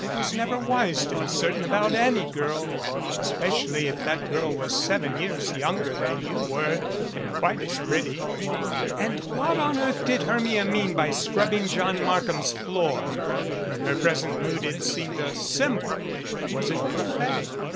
It was never wise to be certain about any girl especially if that girl was seven years younger than you were and quite as pretty. And what on earth did Hermia mean by scrubbing John Markham's floor? In her present mood it seemed a sym bol was it prophetic?